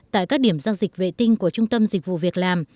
tại các điểm giao dịch vệ tinh của trung tâm dịch vụ việc làm